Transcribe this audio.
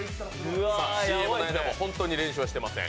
ＣＭの間も本当に練習はしてません。